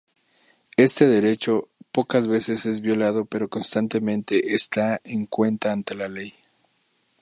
Este derecho pocas veces es violado pero constantemente está en cuenta ante la ley.